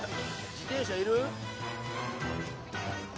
自転車いる？